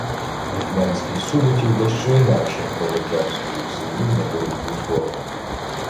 Гетьманський Суботів дещо інакше проводжав своїх синів на боротьбу з ворогом.